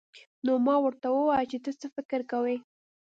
نو ما ورته وويل چې ته څه فکر کوې.